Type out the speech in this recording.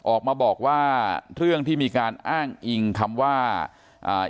ออกมาบอกว่าเรื่องที่มีการอ้างอิงคำว่าอ่า